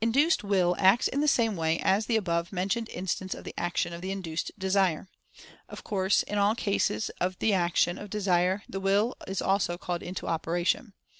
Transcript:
Induced Will acts in the same way as the above mentioned instance of the action of induced Desire. Of course, in all cases of the action of Desire the Will is also called into operation.